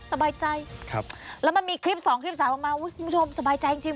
สบายใจครับแล้วมันมีคลิปสองคลิปสามออกมาอุ้ยคุณผู้ชมสบายใจจริงจริง